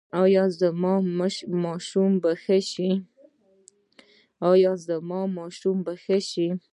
ایا زما ماشوم به ښه شي؟